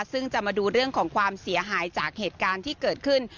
ซึ่งจะมาดูเรื่องของความเสียหายจากเหตุการณ์ที่เกิดขึ้น